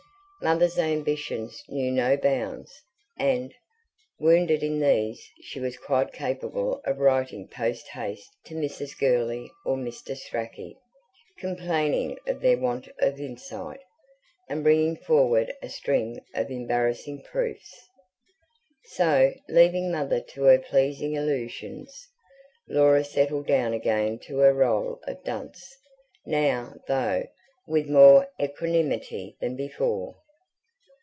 Mother's ambitions knew no bounds; and, wounded in these, she was quite capable of writing post haste to Mrs. Gurley or Mr. Strachey, complaining of their want of insight, and bringing forward a string of embarrassing proofs. So, leaving Mother to her pleasing illusions, Laura settled down again to her role of dunce, now, though, with more equanimity than before.